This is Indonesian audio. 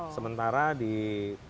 sementara di luar